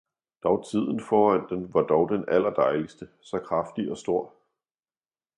dog tiden foran den var dog den allerdejligste, så kraftig og stor.